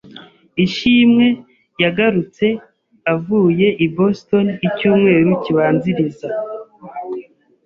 Ishimwe yagarutse avuye i Boston icyumweru kibanziriza.